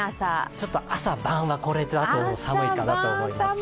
ちょっと朝晩はこれだと寒いかなと思います。